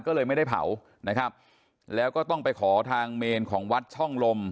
ก็เลยไม่ได้เผานะครับแล้วก็ต้องไปขอทางเมนของวัดช่องลม